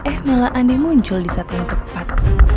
eh malah andi muncul disatu yang tepat